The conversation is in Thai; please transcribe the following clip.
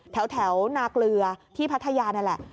แถวนาเกลือที่พัทยานั่นแหละ